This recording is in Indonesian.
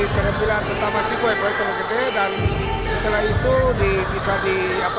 pertama cikgu ebro eto'o gede dan setelah itu bisa di